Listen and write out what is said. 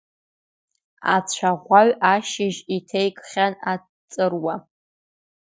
Ацәаӷәаҩ ашьыжь иҭеикхьан аҵыруа.